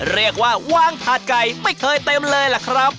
ว่าวางถาดไก่ไม่เคยเต็มเลยล่ะครับ